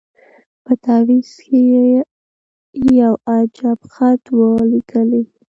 په تعویذ کي یو عجب خط وو لیکلی